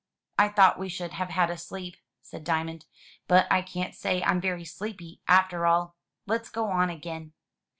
"I thought we should have had a sleep," said Diamond; "but I can't say I'm very sleepy after all. Let's go on again."